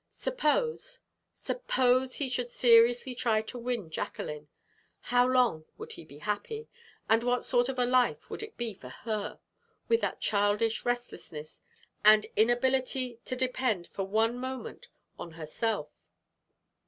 Suppose suppose he should seriously try to win Jacqueline? How long would he be happy? And what sort of a life would it be for her, with that childish restlessness and inability to depend for one moment on herself?